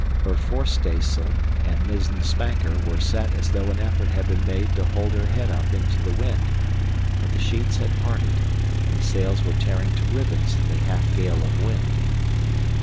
Her forestaysail and mizzen spanker were set as though an effort had been made to hold her head up into the wind, but the sheets had parted, and the sails were tearing to ribbons in the half gale of wind.